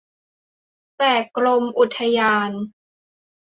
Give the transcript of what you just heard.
แต่กรมอุทยาน